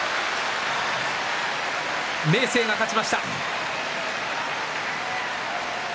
明生が勝ちました。